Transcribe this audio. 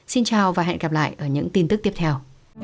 xin chào và hẹn gặp lại ở những tin tức tiếp theo